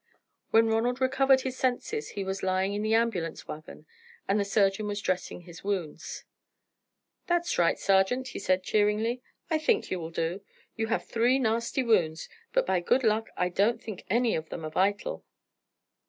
When Ronald recovered his senses he was lying in the ambulance waggon, and the surgeon was dressing his wounds. "That's right, sergeant," he said, cheeringly, "I think you will do. You have three nasty wounds, but by good luck I don't think any of them are vital."